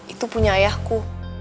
itu punya ayahku